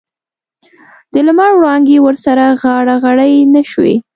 د لمر وړانګې ورسره غاړه غړۍ نه شوې.